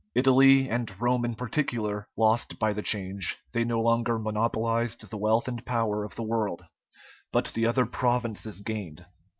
Italy, and Rome in particular, lost by the change: they no longer monopolized the wealth and power of the world, but the other provinces gained.